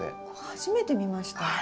初めて見ました。